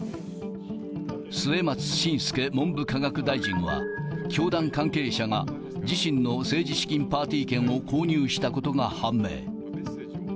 末松信介文部科学大臣は、教団関係者が自身の政治資金パーティー券を購入したことが判明。